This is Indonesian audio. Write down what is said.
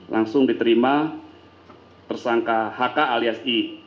langsung diterima tersangka hk alias i